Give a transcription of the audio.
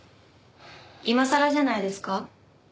今さらじゃないですか？